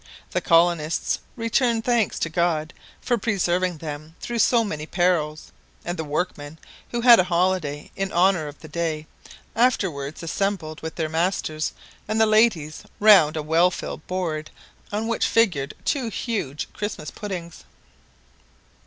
The colonists returned thanks to God for preserving them through so many perils; and the workmen, who had a holiday in honour of the day, afterwards assembled with their masters and the ladies round a well filled board, on which figured two huge Christmas puddings.